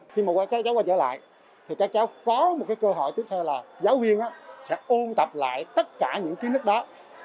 khi mà các cháu quay trở lại thì các cháu có một cái cơ hội tiếp theo là giáo viên sẽ ôn tập lại tất cả những kiến thức đó